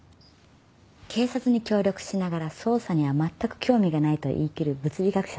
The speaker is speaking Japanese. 警察に協力しながら捜査にはまったく興味がないと言い切る物理学者さん。